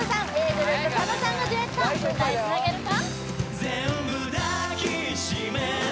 ｇｒｏｕｐ佐野さんがデュエット歌いつなげるか？